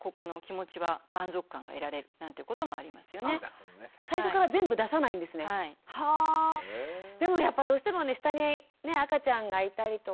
でもやっぱどうしてもね下に赤ちゃんがいたりとか。